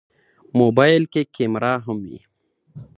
موبایل کې کیمره هم وي.